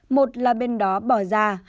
một là bên đó bỏ ra lo liền đi không nói nhiều